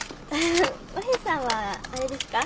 和平さんはあれですか？